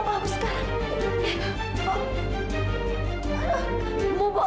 masih di tangan aku